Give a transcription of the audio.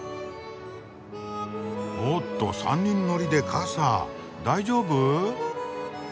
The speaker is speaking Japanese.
おっと３人乗りで傘大丈夫？